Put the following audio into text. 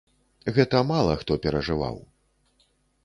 Гэта мала хто перажываў.